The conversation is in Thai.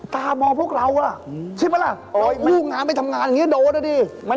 ตอนนี้ต้องขยันทำงานนะ